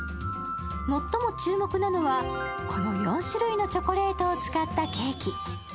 最も注目なのはこの４種類のチョコレートを使ったケーキ。